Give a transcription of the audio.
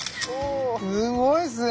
すごいですね。